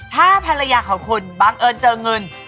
ถ้าภรรยาของคุณบังเอิญเจอเงิน